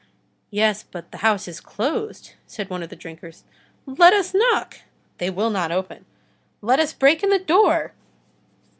"Yes, but the house is closed," said one of the drinkers. "Let us knock!" "They will not open." "Let us break in the door!"